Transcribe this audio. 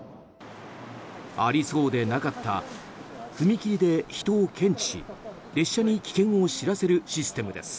ありそうでなかった踏切で人を検知し列車に危険を知らせるシステムです。